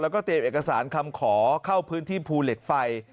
แล้วก็เตรียมเอกสารคำขอเข้าพื้นที่ภูเหล็กไฟ